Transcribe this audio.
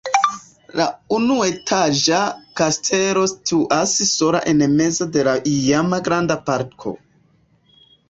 La unuetaĝa kastelo situas sola en mezo de la iama granda parko.